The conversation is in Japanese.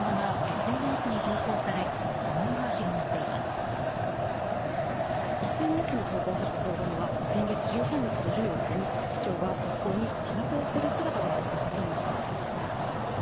ＳＮＳに投稿された動画には先月１３日と１４日に市長が側溝にたばこを捨てる姿が映っていました。